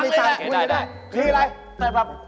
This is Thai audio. พี่อะไรแต่แบบ